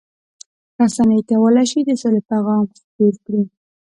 رسنۍ کولای شي د سولې پیغام خپور کړي.